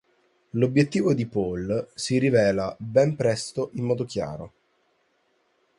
L'obiettivo di Paul si rivela ben presto in modo chiaro.